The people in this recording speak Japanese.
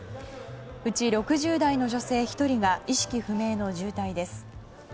うち６０代の女性１人が意識不明の重体です。